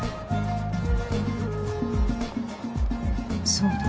「そうだ。」